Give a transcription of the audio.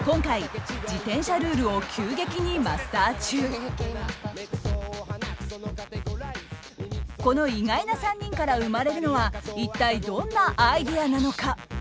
今回この意外な３人から生まれるのは一体どんなアイデアなのか。